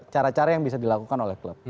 cara cara yang bisa dilakukan oleh klub